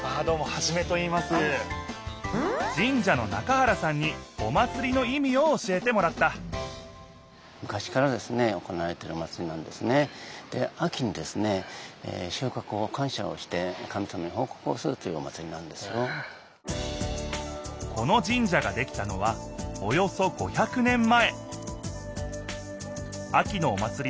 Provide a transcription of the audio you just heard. じん社の中原さんにお祭りの意味を教えてもらったこのじん社ができたのはおよそ５００年前。